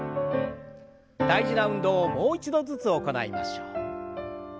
大事な運動をもう一度ずつ行いましょう。